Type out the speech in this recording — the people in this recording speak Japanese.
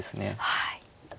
はい。